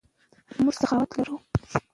موږ سخاوت لرو.